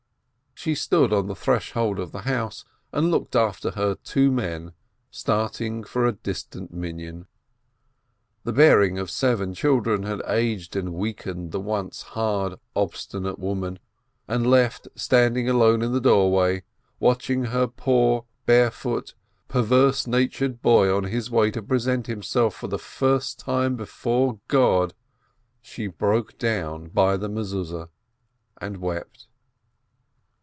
She stood on the threshold of the house, and looked after her two men starting for a distant Minyan. The bearing of seven children had aged and weakened the once hard, obstinate woman, and, left standing alone in the doorway, watching her poor, barefoot, perverse natured boy on his way to present himself for the first time before God, she broke down by the Mezuzeh and wept.